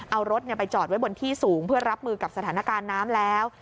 เอารถไปจอดไว้บนที่สูงเพื่อรับมือกับสถานการณ์น้ำแล้ว